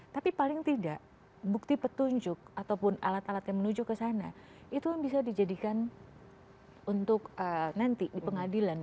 tapi paling tidak bukti petunjuk ataupun alat alat yang menuju ke sana itu bisa dijadikan untuk nanti di pengadilan